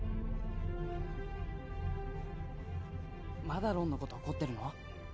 まだロンのこと怒ってるの？